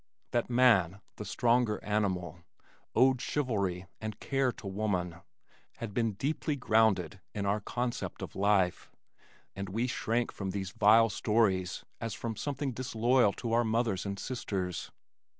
That man, the stronger animal, owed chivalry and care to woman, had been deeply grounded in our concept of life, and we shrank from these vile stories as from something disloyal to our mothers and sisters.